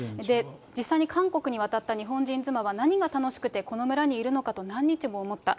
実際に韓国に渡った日本人妻は、何が楽しくてこの村にいるのかと何日も思った。